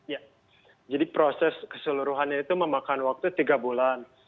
ya jadi proses keseluruhannya itu memakan waktu tiga bulan